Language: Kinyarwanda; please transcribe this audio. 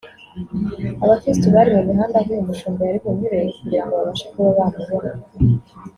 abakirisitu bari mu mihanda aho uyu mushumba yari bunyure kugira ngo babashe kuba bamubona